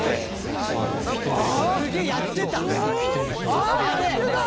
ああやってた！